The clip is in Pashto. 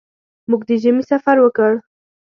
موږ د ژمي سفر وکړ.